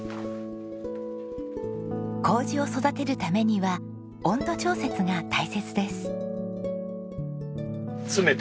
糀を育てるためには温度調節が大切です。